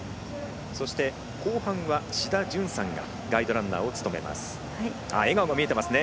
そして後半は志田淳さんがガイドランナーを務めます。